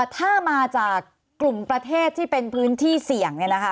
ถ้ามาจากกลุ่มประเทศที่เป็นพื้นที่เสี่ยง